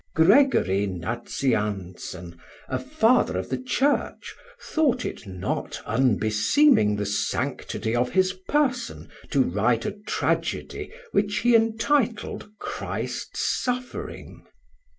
Gregory Nazianzen a Father of the Church, thought it not unbeseeming the sanctity of his person to write a Tragedy which he entitl'd, Christ suffering.